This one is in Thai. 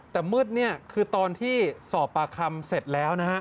แต่มืดเนี่ยคือตอนที่สอบปากคำเสร็จแล้วนะฮะ